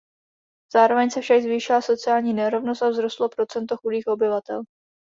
Zároveň se však zvýšila sociální nerovnost a vzrostlo procento chudých obyvatel.